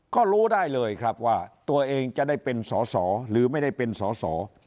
ก็รู้ได้เลยครับว่าตัวเองจะได้เป็นสอสอหรือไม่ได้เป็นสอสอ